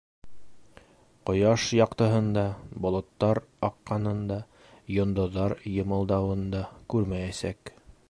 Ҡояш яҡтыһын да, болоттар аҡҡанын да, йондоҙҙар йымылдауын да күрмәйәсәк.